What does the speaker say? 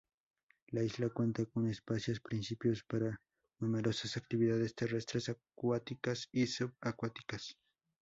La isla cuenta con espacios propicios para numerosas actividades terrestres, acuáticas y sub-acuáticas.